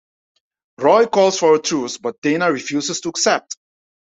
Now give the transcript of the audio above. Roy calls for a truce, but Dana refuses to accept.